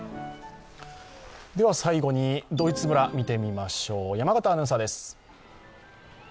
最後にドイツ村、見てみましょう山形アナウンサーです。